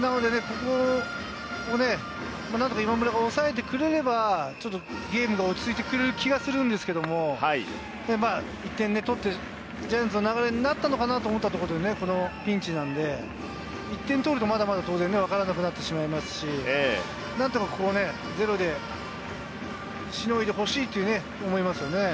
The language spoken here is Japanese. なので、ここを何とか今村が抑えてくれればゲームが落ち着いてくる気がするんですけれども、１点取ってジャイアンツの流れになったのかなと思ったところでこのピンチなので、１点取るとまだまだ分からなくなってしまいますし、何とかここゼロでしのいでほしいっていう思いますよね。